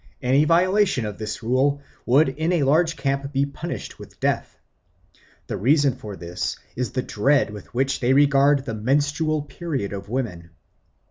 Any violation of this rule would in a large camp be punished with death. The reason for this is the dread with which they regard the menstrual period of women.